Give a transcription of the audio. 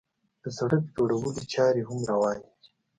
د سړک جوړولو چارې هم روانې دي.